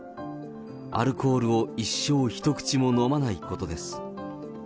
アルコールを一生一口も飲まないことです。